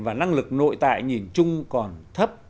và năng lực nội tại nhìn chung còn thấp